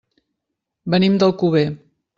Venim d'Alcover.